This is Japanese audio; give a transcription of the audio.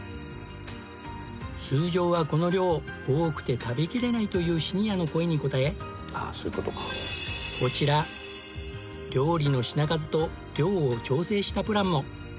通常はこの量多くて食べきれないというシニアの声に応えこちら料理の品数と量を調整したプランも。